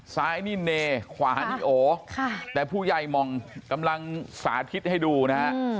ซ้ายนี่เนขวานี่โอแต่ผู้ใหญ่มองกำลังสาธิตให้ดูนะฮะ